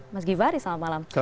mas ghivari selamat malam